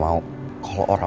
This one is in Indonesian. aku sudah vaccine